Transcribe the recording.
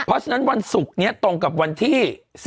เพราะฉะนั้นวันศุกร์นี้ตรงกับวันที่๑๖